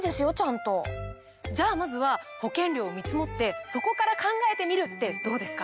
じゃあまずは保険料を見積ってそこから考えてみるってどうですか？